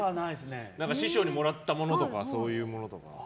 師匠にもらったものがそういうものとか。